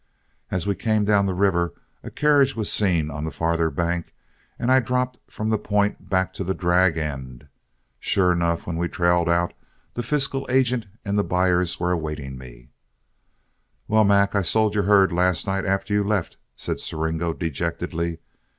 As we came down to the river, a carriage was seen on the farther bank, and I dropped from the point back to the drag end. Sure enough, as we trailed out, the fiscal agent and the buyers were awaiting me. "Well, Mac, I sold your herd last night after you left," said Siringo, dejectedly.